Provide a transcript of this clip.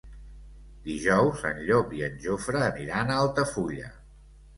Dijous en Llop i en Jofre aniran a Altafulla.